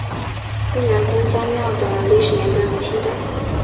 愈南公家庙的历史年代为清代。